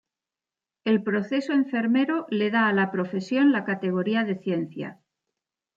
El proceso enfermero le da a la profesión la categoría de ciencia.